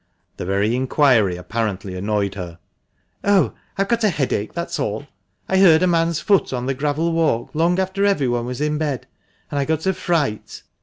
The very inquiry apparently annoyed her. "Oh, I've got a headache, that's all. I heard a man's foot on the gravel walk long after everyone was in bed, and I got a fright."